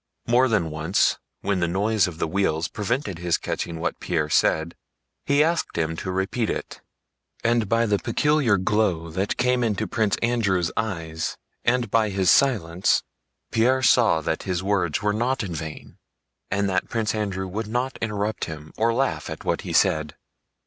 More than once, when the noise of the wheels prevented his catching what Pierre said, he asked him to repeat it, and by the peculiar glow that came into Prince Andrew's eyes and by his silence, Pierre saw that his words were not in vain and that Prince Andrew would not interrupt him or laugh at what he said.